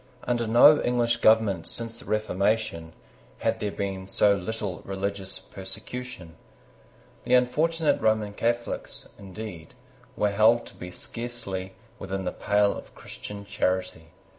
Under no English government since the Reformation, had there been so little religious persecution. The unfortunate Roman Catholics, indeed, were held to be scarcely within the pale of Christian charity.